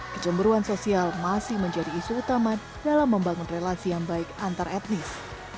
kecemburuan sosial masih menjadi isu utama dalam membangun relasi yang baik antar etnis